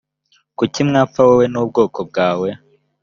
kuki mwapfa wowe n ubwoko bwawe